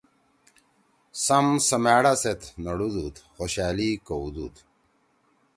سم سمأڑا سیت نڑُودُود، خوشألی کؤدُود